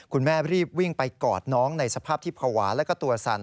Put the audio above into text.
คุณแม่รีบวิ่งไปกอดน้องในสภาพที่ภาวะแล้วก็ตัวสั่น